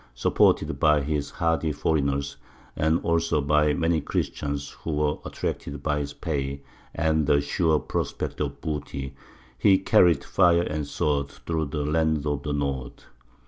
Supported by his hardy foreigners, and also by many Christians who were attracted by his pay and the sure prospect of booty, he carried fire and sword through the lands of the north.